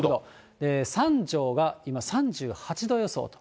三条が今３８度予想と。